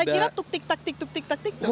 saya kira tuk tik tak tik tuk tik tak tik tuh